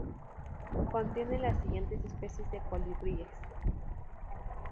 Contiene las siguientes especies de colibríes:.